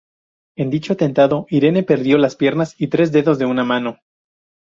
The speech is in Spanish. En dicho atentado, Irene perdió las piernas y tres dedos de una mano.